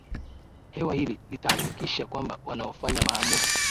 hewa Hili litahakikisha kwamba wanaofanya maamuzi